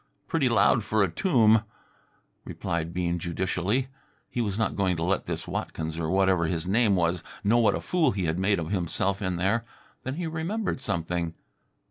"Pretty loud for a tomb," replied Bean judicially. He was not going to let this Watkins, or whatever his name was, know what a fool he had made of himself in there. Then he remembered something.